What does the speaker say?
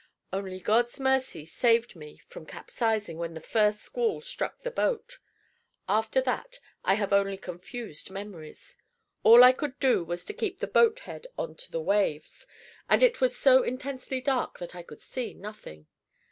Only God's mercy saved me from capsizing when the first squall struck the boat. After that, I have only confused memories. All I could do was to keep the boat head on to the waves, and it was so intensely dark that I could see nothing.